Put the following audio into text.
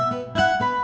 sampai jumpa lagi